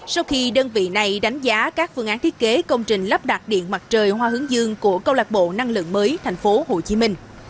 sau khi đơn vị này đánh giá các phương án thiết kế công trình lắp đặt điện mặt trời hoa hướng dương của câu lạc bộ năng lượng mới tp hcm